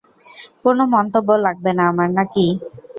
কোনো মন্তব্য লাগবে না আমার, নাকি?